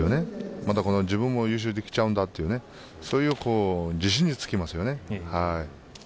また、自分も優勝できちゃうんだという自信がつきますよね。